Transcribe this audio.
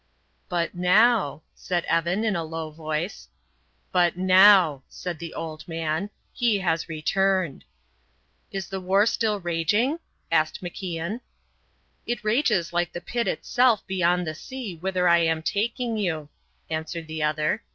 "But now " said Evan, in a low voice. "But now!" said the old man; "he has returned." "Is the war still raging?" asked MacIan. "It rages like the pit itself beyond the sea whither I am taking you," answered the other.